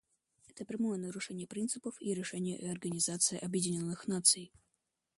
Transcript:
Это прямое нарушение принципов и решений Организации Объединенных Наций.